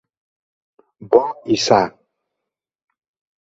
Bo i sa.